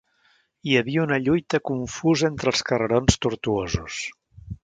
Hi havia una lluita confusa entre els carrerons tortuosos